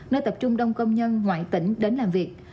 nơi tập trung đông công nhân ngoại tỉnh đến làm việc